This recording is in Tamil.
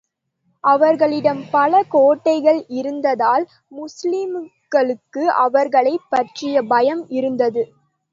அவர்களிடம் பல கோட்டைகள் இருந்ததால், முஸ்லிம்களுக்கு அவர்களைப் பற்றிய பயம் இருந்தது.